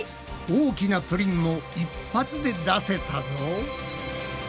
大きなプリンも一発で出せたぞ！